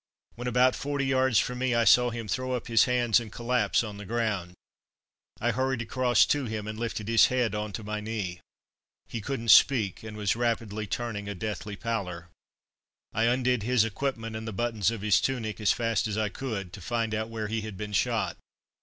When about forty yards from me I saw him throw up his hands and collapse on the ground. I hurried across to him, and lifted his head on to my knee. He couldn't speak and was rapidly turning a deathly pallor. I undid his equipment and the buttons of his tunic as fast as I could, to find out where he had been shot.